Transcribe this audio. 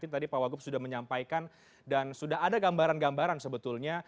tadi pak wagub sudah menyampaikan dan sudah ada gambaran gambaran sebetulnya